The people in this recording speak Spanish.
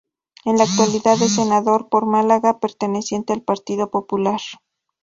En la actualidad es senador por Málaga, perteneciente al Partido Popular.